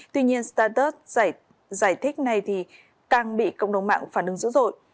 tuy nhiên status giải thích này thì càng bị cộng đồng mạng phản ứng dữ dội